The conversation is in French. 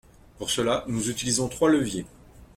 Pour cela, nous utilisons trois leviers.